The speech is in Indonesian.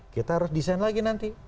kita harus desain lagi nanti